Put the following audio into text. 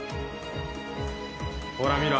ほら見ろ